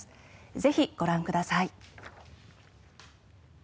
ぜひご覧ください。